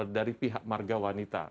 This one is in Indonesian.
dari pihak warga wanita